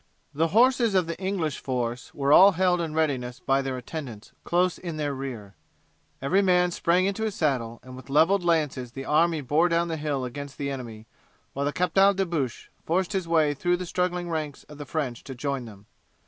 The horses of the English force were all held in readiness by their attendants close in their rear. Every man sprang into his saddle, and with levelled lances the army bore down the hill against the enemy, while the Captal De Buch forced his way through the struggling ranks of the French to join them.